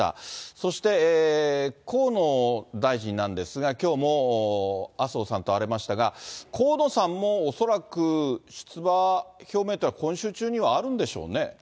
そして河野大臣なんですが、きょうも麻生さんと会われましたが、河野さんも恐らく出馬表明というのは今週中にはあるんでしょうね。